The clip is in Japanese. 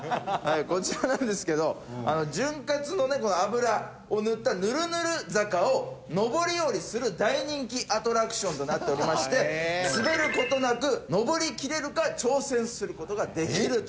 こちらなんですけど潤滑の油を塗ったヌルヌル坂を上り下りする大人気アトラクションとなっておりまして滑る事なく上りきれるか挑戦する事ができるという。